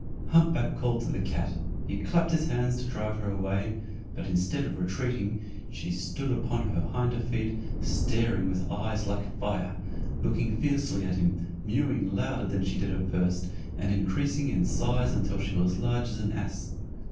Hump back called to the cat, he clapped his hands to drive her away, but instead of retreating, she stood upon her hinder feet, staring with her eyes like fire, looking fiercely at him, mewing louder than she did at first, and increasing in size till she was as large as an ass.